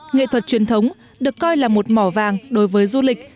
nghệ thuật truyền thống được coi là một mỏ vàng đối với du lịch